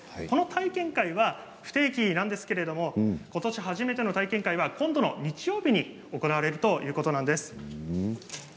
この体験会は不定期なんですけれども、ことし初めての体験会は今度の日曜日に行われるということです。